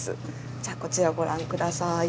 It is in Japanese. じゃこちらをご覧下さい。